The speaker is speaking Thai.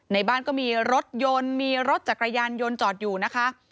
ในบ้านก็มีรถยนต์มีรถจักรยานยนต์จอดอยู่นะคะ